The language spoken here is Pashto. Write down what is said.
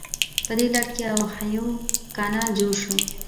په دې لړ کې اوهایو کانال جوړ شو.